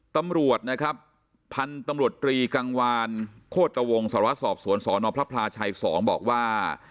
ตำรวจนะครับพันธุ์ตำรวจตรีกลางวานโฆษะวงศาวสอบสวนสพช๒บอกว่า